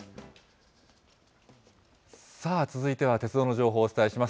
さあ、続いては鉄道の情報をお伝えします。